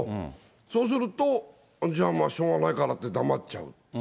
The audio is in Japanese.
そうすると、じゃあ、まあしょうがないからって黙っちゃう。